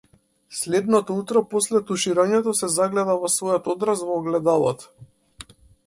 Следното утро, после туширањето, се загледа во својот одраз во огледалото.